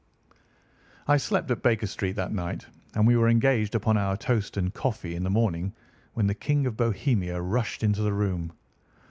I slept at Baker Street that night, and we were engaged upon our toast and coffee in the morning when the King of Bohemia rushed into the room.